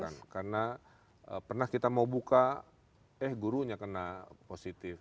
karena pernah kita mau buka eh gurunya kena positif